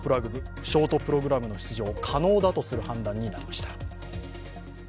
ショートプログラムの出場、可能だとする判断になりました。